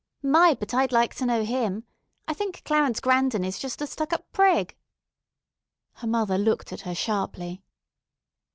My, but I'd like to know him. I think Clarence Grandon is just a stuck up prig." Her mother looked at her sharply.